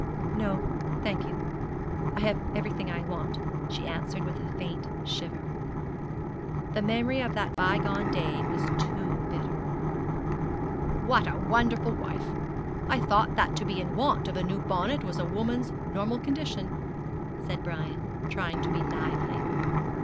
'No, thank you; I have everything I want,' she answered with a faint shiver. The memory of that bygone day was too bitter. 'What a wonderful wife! I thought that to be in want of a new bonnet was a woman's normal condition,' said Brian, trying to be lively.